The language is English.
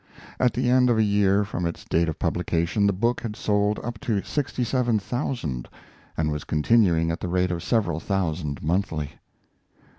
At the end of a year from its date of publication the book had sold up to 67,000 and was continuing at the rate of several thousand monthly.